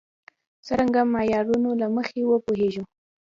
څرنګه معیارونو له مخې وپوهېږو.